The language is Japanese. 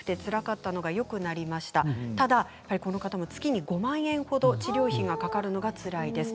ただ、この方も月に５万円ほど治療費がかかるのがつらいです。